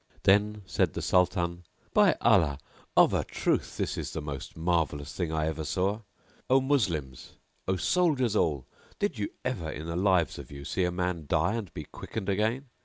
Then said the Sultan, "By Allah, of a truth this is the most marvellous thing I ever saw! O Moslems, O soldiers all, did you ever in the lives of you see a man die and be quickened again?